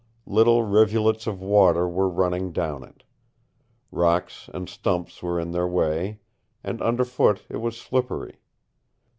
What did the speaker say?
Little rivulets of water were running down it. Rocks and stumps were in their way, and underfoot it was slippery.